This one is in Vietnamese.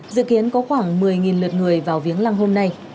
dự kiến có khoảng một mươi lượt người vào viếng lăng hôm nay